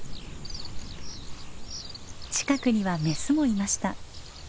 近くにはメスもいました。